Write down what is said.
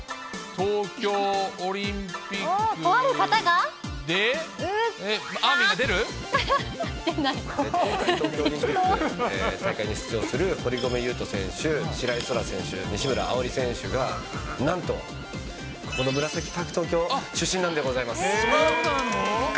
東京オリンピックに出場する堀米雄斗選手、白井空良選手、西村碧莉選手が、なんとこのムラサキパーク東京出身なんでございます。